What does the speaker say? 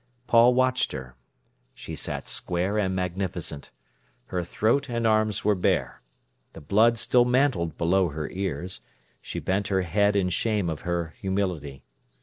Paul watched her. She sat square and magnificent. Her throat and arms were bare. The blood still mantled below her ears; she bent her head in shame of her humility.